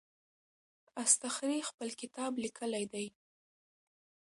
اصطخري خپل کتاب لیکلی دی.